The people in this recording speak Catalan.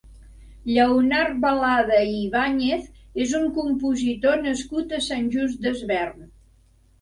Lleonard Balada i Ibañez és un compositor nascut a Sant Just Desvern.